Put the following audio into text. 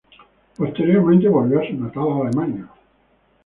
Posteriormente volvió a su natal Alemania.